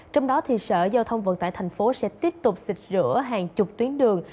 trong đó sở giao thông vận tải thành phố sẽ tiếp tục xịt rửa hàng chục tuyến đường